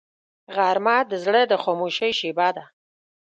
غرمه د زړه د خاموشۍ شیبه ده